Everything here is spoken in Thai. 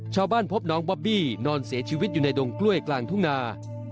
พบน้องบอบบี้นอนเสียชีวิตอยู่ในดงกล้วยกลางทุ่งนา